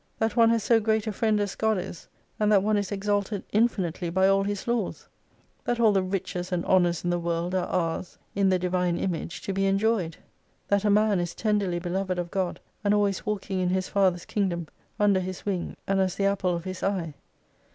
That one has so great a friend as God is : and that one is exalted infinitely by all His Laws ! That all the riches and honours in the world are ours in the Divine Image to be enjoyed ! That a man is tenderly beloved of God and always walking in His Father's Kingdom, under His wing, and as the apple of His eye